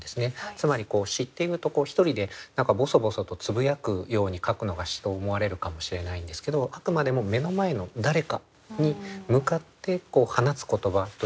つまり詩っていうと一人で何かボソボソとつぶやくように書くのが詩と思われるかもしれないんですけどあくまでも目の前の誰かに向かって放つ言葉として詩を書いてらっしゃった。